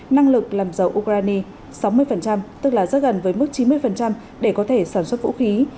năng lực làm dầu urani sáu mươi tức là rất gần với mức chín mươi để có thể sản xuất vũ khí